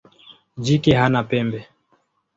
Jike hana pembe.